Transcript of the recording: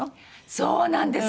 そうなんです。